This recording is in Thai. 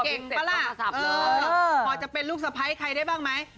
ปะล่ะพอจะเป็นลูกสะพ้ายใครได้บ้างไหม